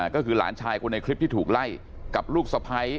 ก็คือหลานชายคนในคลิปที่ถูกไล่กับลูกสะพ้าย